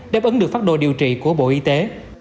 đáp ứng được phát đồ điều trị của bộ y tế